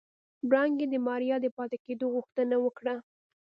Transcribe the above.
وړانګې د ماريا د پاتې کېدو غوښتنه وکړه.